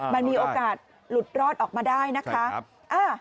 มันมีโอกาสหลุดรอดออกมาได้นะคะ